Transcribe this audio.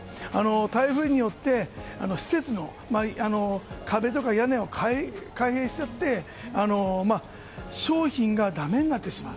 台風によって施設の壁とか屋根を開閉しちゃって商品がだめになってしまう。